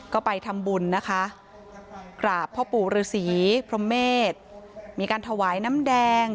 ก็ไปทำบุญนะคะกราบพ่อปู่ฤษีพรมเมษมีการถวายน้ำแดง